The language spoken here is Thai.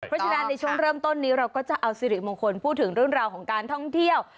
เพราะฉะนั้นในช่วงเริ่มต้นนี้เราก็จะเอาสิริมงคลพูดถึงเรื่องราวของการท่องเที่ยว